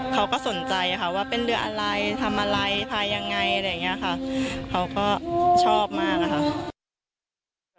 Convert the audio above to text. เขาก็สนใจว่าเป็นเรืออะไรทำอะไรทายยังไงเขาก็ชอบมาก